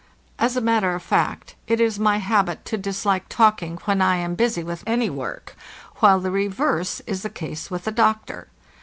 As a matter of fact, it is my habit to dislike talk ing when I am busy with any work, while the reverse is the case with the doctor.